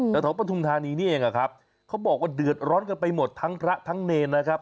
แถวปฐุมธานีนี่เองอะครับเขาบอกว่าเดือดร้อนกันไปหมดทั้งพระทั้งเนรนะครับ